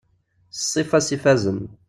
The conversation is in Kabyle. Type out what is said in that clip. S ssifa-s ifazen.